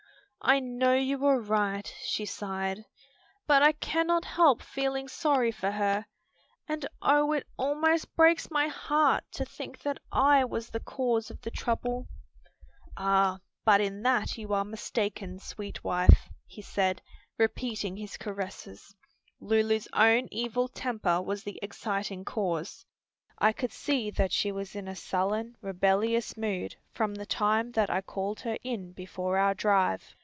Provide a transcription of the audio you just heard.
"I know you are right," she sighed, "but I cannot help feeling sorry for her, and oh it almost breaks my heart to think that I was the cause of the trouble." "Ah, but in that you are mistaken, sweet wife," he said, repeating his caresses; "Lulu's own evil temper was the exciting cause. I could see that she was in a sullen, rebellious mood from the time that I called her in before our drive.